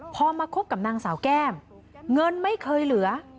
พอมาคบกับนางสาวแก้มเงินไม่เคยเหลือ